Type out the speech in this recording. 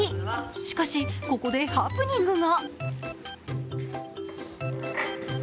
しかし、ここでハプニングが。